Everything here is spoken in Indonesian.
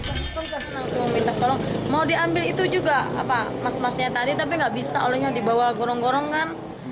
langsung minta tolong mau diambil itu juga emas emasnya tadi tapi nggak bisa olehnya dibawa gorong gorong kan